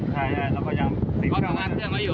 ใช่แล้วก็ยังสิบเท่า